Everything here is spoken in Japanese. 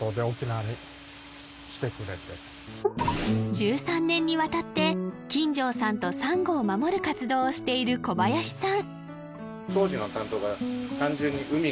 １３年にわたって金城さんとサンゴを守る活動をしている小林さん